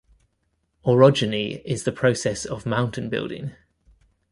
Orogeny is the process of mountain building.